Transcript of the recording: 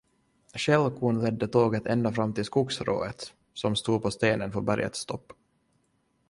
Skällkon ledde tåget ända fram till skogsrået, som stod på stenen på bergets topp.